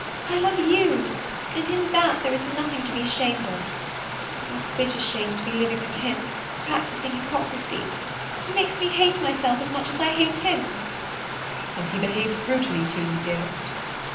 I love you, and in that there is nothing to be ashamed of; but what bitter shame to be living with him, practising hypocrisy. He makes me hate myself as much as I hate him." "Has he behaved brutally to you, dearest?"